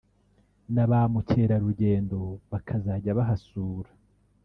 na ba mukerarugendo bakazajya bahasura